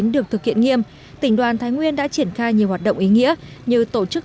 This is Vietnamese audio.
được thực hiện nghiêm tỉnh đoàn thái nguyên đã triển khai nhiều hoạt động ý nghĩa như tổ chức